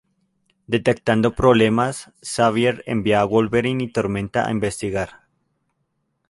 Detectando problemas, Xavier envía a Wolverine y Tormenta a investigar.